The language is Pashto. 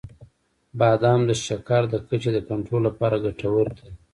• بادام د شکر د کچې د کنټرول لپاره ګټور دي.